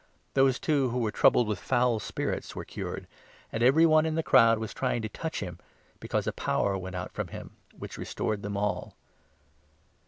Those, 18 too, who were troubled with foul spirits were cured ; and 19 every one in the crowd was trying to touch him, because a power went out from him which restored them all.